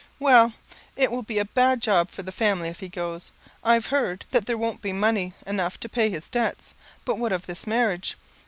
"Well, it will be a bad job for the family if he goes. I've he'rd that there won't be money enough to pay his debts. But what of this marriage?